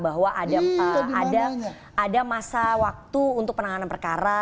bahwa ada masa waktu untuk penanganan perkara